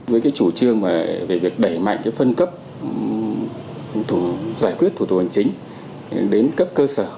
với cái chủ trương về việc đẩy mạnh cái phân cấp giải quyết thủ tục hành chính đến cấp cơ sở